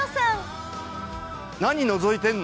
何のぞいてんの？